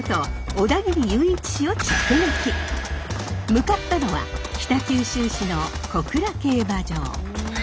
向かったのは北九州市の小倉競馬場。